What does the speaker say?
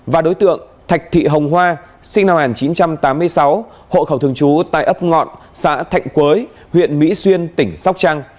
và đối tượng thạch thị hồng hoa sinh năm một nghìn chín trăm tám mươi sáu hộ khẩu thường trú tại ấp ngọn xã thạnh quới huyện mỹ xuyên tỉnh sóc trăng